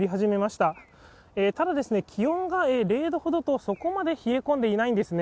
ただ、気温が０度ほどとそこまで冷え込んでいません。